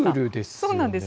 そうなんです。